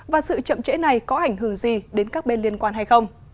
và sự chậm trễ này có ảnh hưởng gì đến các bên liên quan hay không